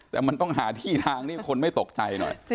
แต่มันต้องหาที่ทางที่คนไม่ตกใจหน่อย